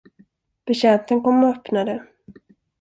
Betjänten kom och öppnade.